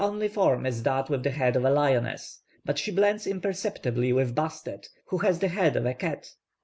Her only form is that with the head of a lioness. But she blends imperceptibly with +Bastet+, who has the head of a cat.